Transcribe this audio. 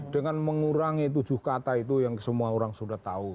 dengan mengurangi tujuh kata itu yang semua orang sudah tahu